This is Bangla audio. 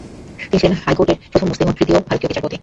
তিনি ছিলেন হাইকোর্টের প্রথম মুসলিম ও তৃতীয় ভারতীয় বিচারপতি।